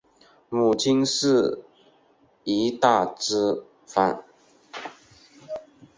母亲是于大之方。